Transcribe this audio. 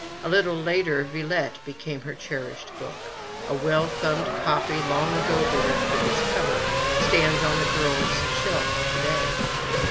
A little later, "Villette" became her cherished book ; a well thumbed copy, long ago bereft of its cover, stands on the girl's shelf to day.